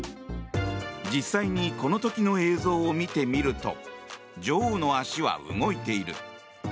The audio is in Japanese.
実際にこの時の映像を見てみると女王の足は動いている。